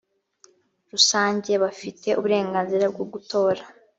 rusange bafite uburenganzira bwo gutora